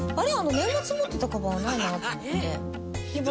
年末持ってたカバンないなって思ってひー